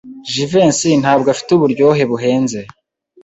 Jivency ntabwo afite uburyohe buhenze.